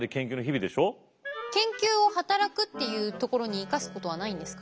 研究を働くっていうところに生かすことはないんですか？